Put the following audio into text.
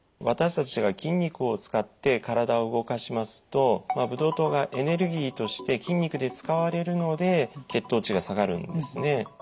私たちが筋肉を使って体を動かしますとブドウ糖がエネルギーとして筋肉で使われるので血糖値が下がるんですね。